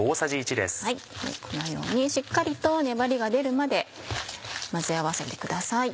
このようにしっかりと粘りが出るまで混ぜ合わせてください。